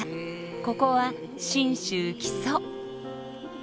ここは信州木曽。